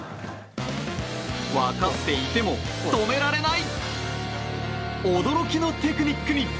分かっていても止められない！